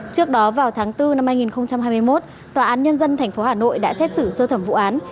trước đó vào tháng bốn năm hai nghìn hai mươi một tòa án nhân dân tp hà nội đã xét xử sơ thẩm vụ án